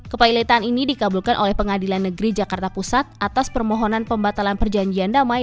kepilotan ini dikabulkan oleh pengadilan negeri jakarta pusat atas permohonan pembatalan perjanjian damai